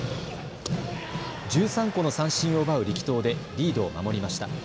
１３個の三振を奪う力投でリードを守りました。